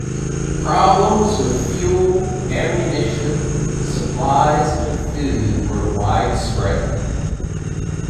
Problems with fuel, ammunition, supplies and food were widespread.